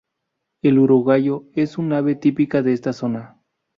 El urogallo es un ave típica de esta zona.